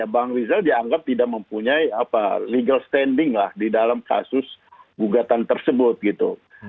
bang rizal dianggap tidak mempunyai legal standing lah di dalam kasus gugatan tersebut gitu